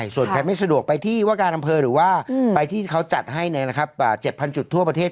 ส่วนใครไม่สะดวกไปที่ว่าการอำเภอหรือว่าไปที่เขาจัดให้๗๐๐จุดทั่วประเทศ